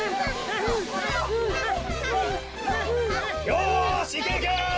よしいけいけ！